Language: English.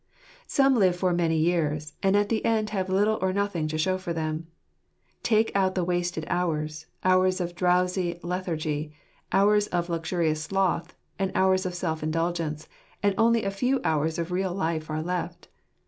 Some live for many years , and at the end have little or nothing to show for them. Take out the wasted hours, hours of drowsy lethargy, hours of luxurious sloth, and hours of self indulgence ; and only a few hours of real life are left.